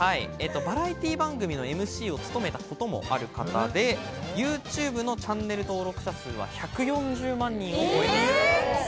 バラエティー番組のＭＣを務めたこともある方で、ＹｏｕＴｕｂｅのチャンネル登録者数は１４０万人を超えている。